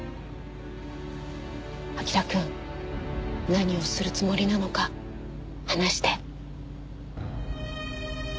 彬くん何をするつもりなのか話して。